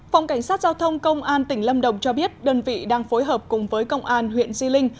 phòng cảnh sát giao thông công an tỉnh lâm đồng cho biết đơn vị đang phối hợp cùng với công an huyện di linh